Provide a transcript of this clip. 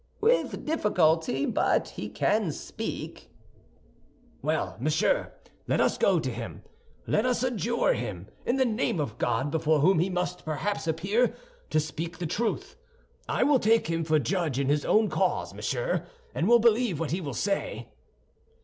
"With difficulty, but he can speak." "Well, monsieur, let us go to him. Let us adjure him, in the name of the God before whom he must perhaps appear, to speak the truth. I will take him for judge in his own cause, monsieur, and will believe what he will say."